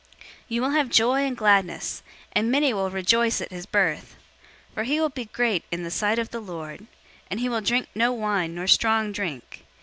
001:014 You will have joy and gladness; and many will rejoice at his birth. 001:015 For he will be great in the sight of the Lord, and he will drink no wine nor strong drink.